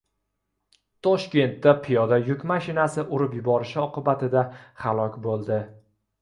Toshkentda piyoda yuk mashinasi urib yuborishi oqibatida halok bo‘ldi